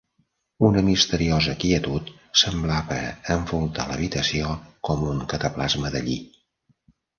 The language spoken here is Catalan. Una misteriosa quietud semblava envoltar l'habitació com un cataplasma de lli.